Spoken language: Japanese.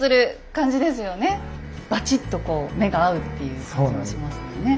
バチッとこう目が合うっていう感じもしますもんね。